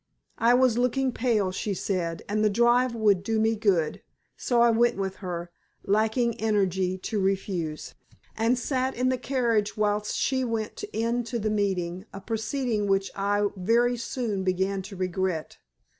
I was looking pale, she said, and the drive there would do me good, so I went with her, lacking energy to refuse, and sat in the carriage whilst she went in to the meeting a proceeding which I very soon began to regret.